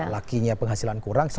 lakinya penghasilan kurang